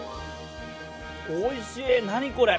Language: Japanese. おいしい、何これ！